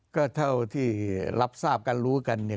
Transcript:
ก็เท่าที่รับทราบกันรู้กันเนี่ย